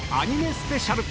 スペシャル